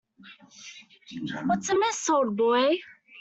What's amiss, old boy?